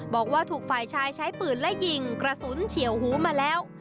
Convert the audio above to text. บอกว่าถูกฝ่ายชายใช้ปืนและยิงกระสุนเฉียวหูมาแล้ว